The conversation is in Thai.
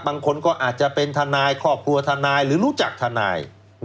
บางคนก็อาจจะเป็นทนายครอบครัวทนายหรือรู้จักทนาย